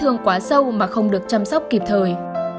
thương quá sâu mà không được chăm sóc kịp thời